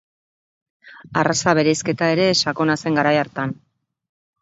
Arraza-bereizketa ere sakona zen garai hartan.